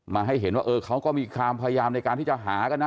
ให้เห็นว่าเออเขาก็มีความพยายามในการที่จะหากันนะ